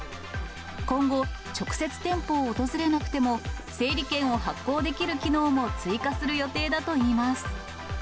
今後、直接店舗を訪れなくても整理券を発行できる機能も追加する予定だ